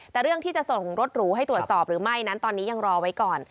แต่เรื่องที่จะส่งรถหรูให้ตรวจสอบหรือไม่นั้นตอนนี้ยังรอไว้ก่อน